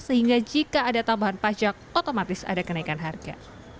sehingga jika ada tambahan pajak otomatis ada kenaikan harga